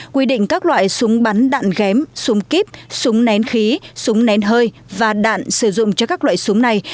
quy định các loại súng bắn đạn ghém súng kíp súng nén khí súng nén hơi và đạn sử dụng cho các loại súng này